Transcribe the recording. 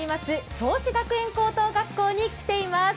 創志学園高等学校に来ています。